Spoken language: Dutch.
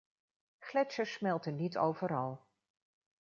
Gletsjers smelten niet overal.